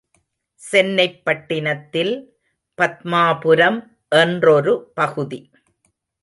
சென்னைப்பட்டினத்தில் பத்மாபுரம் என்றொரு பகுதி.